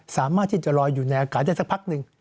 สามารถที่จะลอยอยู่ในอากาศได้สักพักหนึ่ง